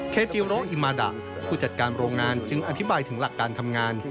เคจิโรอิมาดะผู้จัดการโรงงานจึงอธิบายถึงหลักการทำงาน